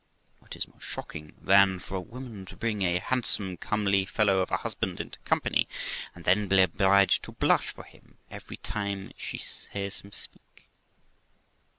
What is more shocking than for a woman to bring a handsome, comely fellow of a husband into company, and then be obliged to blush for him every time she hears him speak?